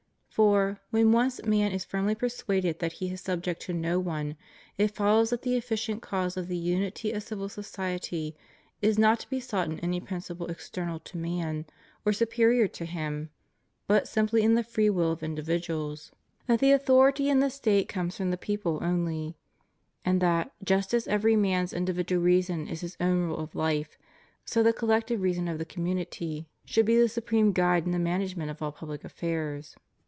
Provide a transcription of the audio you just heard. For, when once man is firmly persuaded that he is subject to no one, it follows that the efficient caiise of the unity of civil society is not to be sought in any principle external to man, or superior to him, but simply in the free will of individuals ; that the authority in the State comes from the people only ; and that, just as every man's individual reason is his only rule of life, so the collective reason of the community should be the supreme guide in the management of all pubUc affairs.